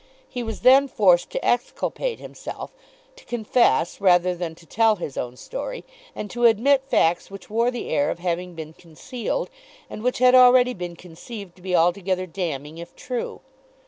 He was then forced to exculpate himself, to confess rather than to tell his own story, and to admit facts which wore the air of having been concealed, and which had already been conceived to be altogether damning if true.